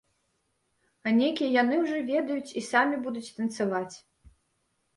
А нейкія яны ўжо ведаюць і самі будуць танцаваць.